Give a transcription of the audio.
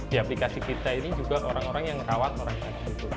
di aplikasi kita ini juga orang orang yang merawat orang sakit